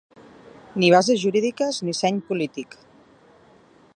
Ni bases jurídiques, ni seny polític!